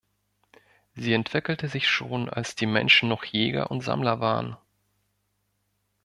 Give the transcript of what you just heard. Sie entwickelte sich schon, als die Menschen noch Jäger und Sammler waren.